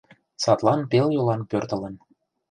— Садлан пел йолан пӧртылын.